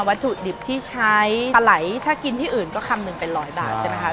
วัตถุดิบที่ใช้ปลาไหลถ้ากินที่อื่นก็คำหนึ่งเป็นร้อยบาทใช่ไหมคะ